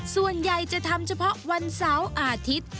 ส่วนใหญ่จะทำเฉพาะวันเสาร์อาทิตย์